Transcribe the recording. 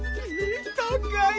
たかい！